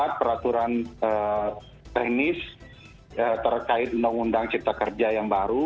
membuat peraturan teknis terkait undang undang cipta kerja yang baru